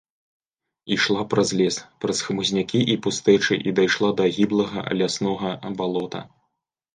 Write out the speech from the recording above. Ішла праз лес, праз хмызнякі і пустэчы і дайшла да гіблага ляснога балота.